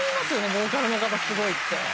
ボーカルの方すごいって」